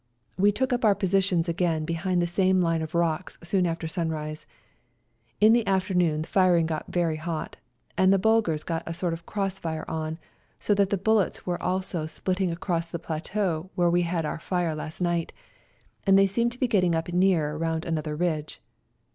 We took up our positions again behind the same line of rocks soon after sunrise. In the afternoon the firing got very hot, and the Bulgars got a sort of cross fire on, so that the bullets were also spitting across the plateau where we had our fire last night, and they seemed to be getting up nearer round another ridge.